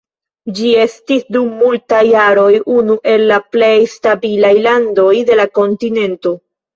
Ĝi estis dum multaj jaroj unu el la plej stabilaj landoj de la kontinento.